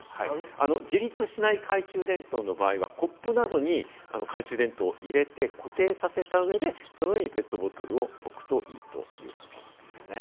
自立しない懐中電灯の場合は、コップなどに懐中電灯を入れて固定させた上で、その上にペットボトルを置くといいということなんですね。